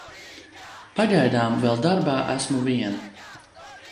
Pagaidām vēl darbā esmu viena.